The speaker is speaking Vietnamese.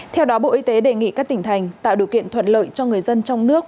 theo đó bộ y tế đề nghị các tỉnh thành tạo điều kiện thuận lợi cho người dân trong nước